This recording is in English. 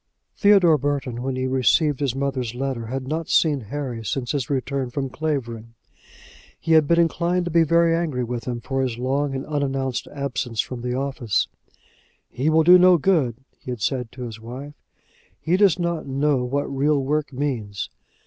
Theodore Burton, when he received his mother's letter, had not seen Harry since his return from Clavering. He had been inclined to be very angry with him for his long and unannounced absence from the office. "He will do no good," he had said to his wife. "He does not know what real work means."